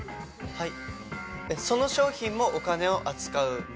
はい！